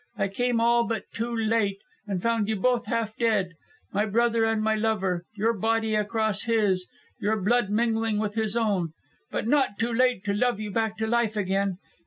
I came all but too late, and found you both half dead. My brother and my lover, your body across his, your blood mingling with his own. But not too late to love you back to life again.